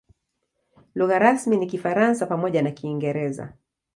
Lugha rasmi ni Kifaransa pamoja na Kiingereza.